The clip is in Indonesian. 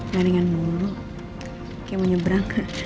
garingan mulu kayak menyebrang